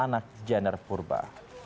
anak jener purba